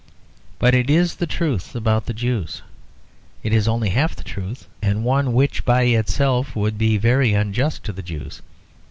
But it is the truth about the Jews. It is only half the truth, and one which by itself would be very unjust to the Jews.